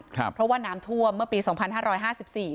เพราะว่าน้ำท่วมเมื่อปีสองพันห้าร้อยห้าสิบสี่